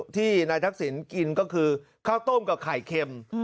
ที่นายทักษิณกินก็คือข้าวต้มกับไข่เค็ม